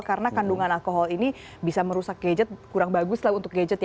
karena kandungan alkohol ini bisa merusak gadget kurang bagus lah untuk gadget ya